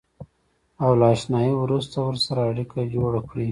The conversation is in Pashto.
او له اشنایۍ وروسته ورسره اړیکه جوړه کړئ.